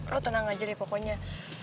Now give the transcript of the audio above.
lo tenang aja deh pokoknya